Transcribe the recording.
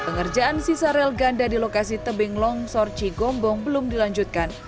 pengerjaan sisa rel ganda di lokasi tebing longsor cigombong belum dilanjutkan